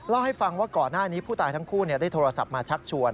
เล่าให้ฟังว่าก่อนหน้านี้ผู้ตายทั้งคู่ได้โทรศัพท์มาชักชวน